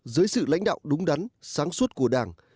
dưới sự lãnh đạo đúng đắn sáng suốt của đảng